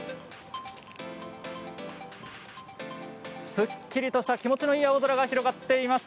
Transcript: すっきりとした気持ちのいい青空が広がっています。